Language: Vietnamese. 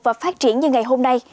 và phát triển như ngày hôm nay